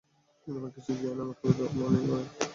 তোমার কিছু জ্ঞান আমাকেও দাও, মানিমারান।